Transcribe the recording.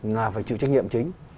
là phải chịu trách nhiệm chính